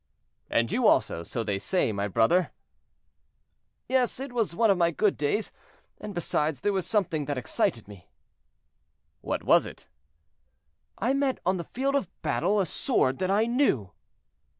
"And you also; so they say, brother." "Yes, it was one of my good days; and besides there was something that excited me." "What was it?" "I met on the field of battle a sword that I knew."